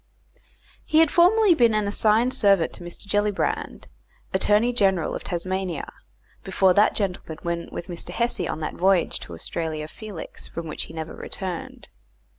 He had formerly been an assigned servant to Mr. Gellibrand, Attorney General of Tasmania, before that gentleman went with Mr. Hesse on that voyage to Australia Felix from which he never returned.